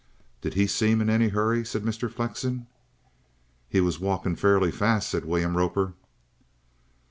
"Did he seem in any hurry?" said Mr. Flexen. "'E was walkin' fairly fast," said William Roper.